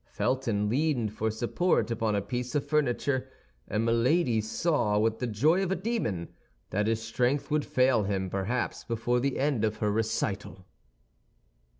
Felton leaned for support upon a piece of furniture; and Milady saw, with the joy of a demon, that his strength would fail him perhaps before the end of her recital.